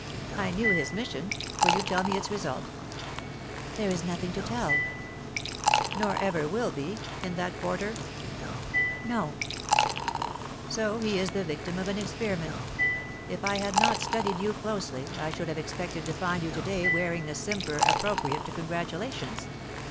* I knew his mission. Will you tell me its result ?' 'There is nothing to telL' * Nor ever will be — in that quarter ?' *No ' *So he is the victim of an experiment If I had not studied you closely, I should have expected to find you to day wearing the simper appropriate to congratulations.